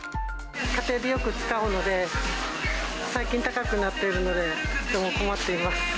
家庭でよく使うので、最近、高くなってるので、とても困っています。